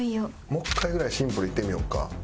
もう１回ぐらいシンプルいってみようか。